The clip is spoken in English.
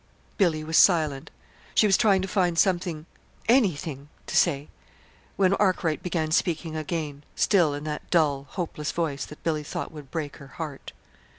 Billy was silent. She was trying to find something, anything, to say, when Arkwright began speaking again, still in that dull, hopeless voice that Billy thought would break her heart.